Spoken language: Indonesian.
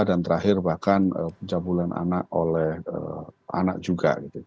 dan terakhir bahkan pencabulan anak oleh anak juga